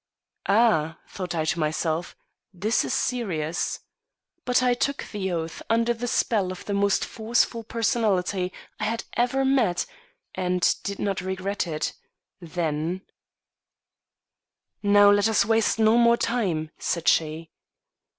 "Ah!" thought I to myself, "this is serious." But I took the oath under the spell of the most forceful personality I had ever met, and did not regret it then. "Now let us waste no more time," said she.